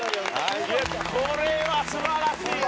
これは素晴らしいね。